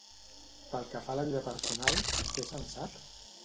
Pel que fa a la vida personal, què se'n sap?